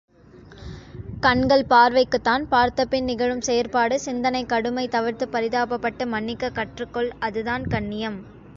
கண்கள் பார்வைக்குத்தான் பார்த்தபின் நிகழும் செயற்பாடு சிந்தனை கடுமை தவிர்த்துப் பரிதாபப்படு மன்னிக்கக் கற்றுக் கொள் அதுதான் கண்ணியம்.